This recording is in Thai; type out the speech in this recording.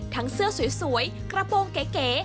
เสื้อสวยกระโปรงเก๋